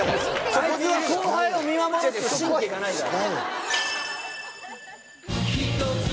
あいつは後輩を見守るっていう神経がないから。